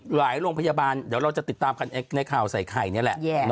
โรงพยาบาลเดี๋ยวเราจะติดตามกันในข่าวใส่ไข่นี่แหละ